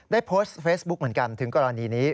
ได้โพสต์เฟซบุ๊คเหมือนกันถึงกรณีนี้